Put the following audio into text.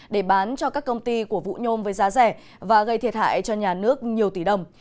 để bán cho các công ty của vũ nhôm với giá rẻ và gây thiệt hại cho nhà nước nhiều tỷ đồng